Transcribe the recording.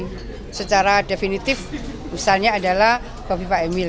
jadi secara definitif misalnya adalah bapak ibu pak emil